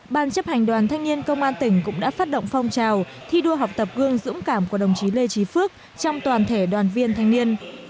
ban chấp hành đoàn thanh niên công an tỉnh cũng đã phát động phong trào thi đua học tập gương dũng cảm của đồng chí lê trí phước trong toàn thể đoàn viên thanh niên